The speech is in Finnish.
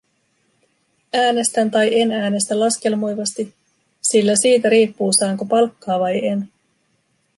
Äänestän tai en äänestä laskelmoivasti, sillä siitä riippuu, saanko palkkaa vai en.